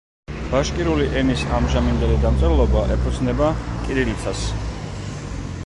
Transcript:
ბაშკირული ენის ამჟამინდელი დამწერლობა ეფუძნება კირილიცას.